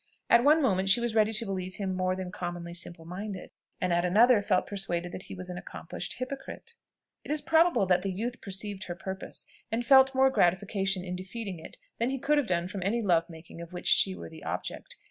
At one moment she was ready to believe him more than commonly simple minded; and at another felt persuaded that he was an accomplished hypocrite. It is probable that the youth perceived her purpose, and felt more gratification in defeating it than he could have done from any love making of which she were the object.